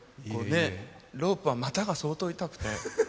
ロープは股が相当痛くて。